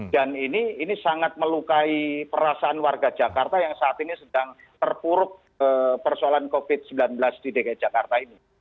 dan ini sangat melukai perasaan warga jakarta yang saat ini sedang terpuruk persoalan covid sembilan belas di dki jakarta ini